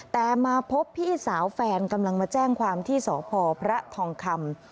แต่มาพบพี่สาวแฟนกำลังมาแจ้งความที่สพพระทองคำ